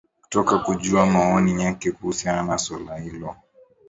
kutaka kujua maoni yake kuhusiana na suala hilo